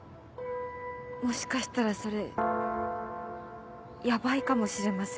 もしかしたらそれヤバいかもしれません。